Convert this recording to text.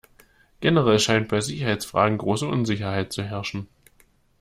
Generell scheint bei Sicherheitsfragen große Unsicherheit zu herrschen.